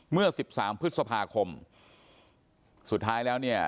เมื่อสิบสามพฤษภาคมสุดท้ายแล้วเนี่ย